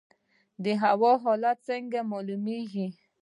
د هوا حالات څنګه معلومیږي؟